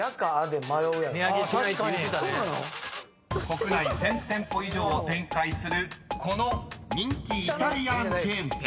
［国内１，０００店舗以上を展開するこの人気イタリアンチェーン店］